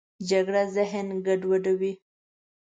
جګړه ذهن ګډوډوي